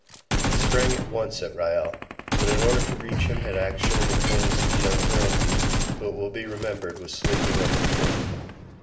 He sprang at once at Ryall, but in order to reach him had actually to plant his feet on Parenti, who, it will be remembered, was sleeping on the floor.